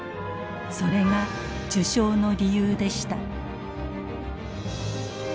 それが授賞の理由でした。